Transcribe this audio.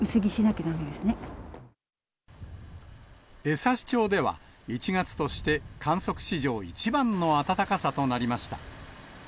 江差町では、１月として観測史上一番の暖かさとなりました。